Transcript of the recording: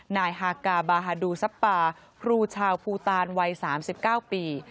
นายฮากาบาฮาดูซับปาครูชาวภูตานวัย๓๙ปี